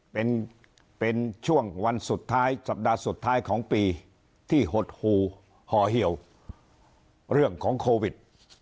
เป็นช่วงวันสุดท้ายสัปดาห์สุดท้ายของปีที่หดหูห่อเหี่ยวเรื่องของโควิด